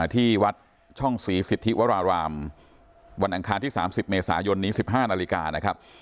ที่วัดช่องศรีสิทธิวรารามวันอังคารที่๓๐เมษายนนี้๑๕นาฬิกานะครับ